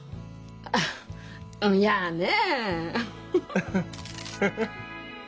あっ嫌ね！